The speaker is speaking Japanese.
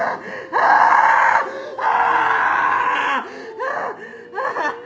ああ。